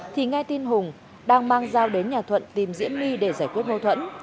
thì nghe tin hùng đang mang dao đến nhà thuận tìm diễm my để giải quyết mâu thuẫn